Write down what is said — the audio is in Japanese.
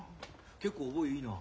結構覚えいいな。